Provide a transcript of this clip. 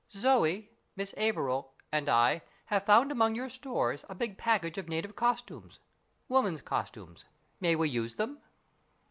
"Zoe Miss Averil and I have found among your stores a big package of native costumes women's costumes. May we use them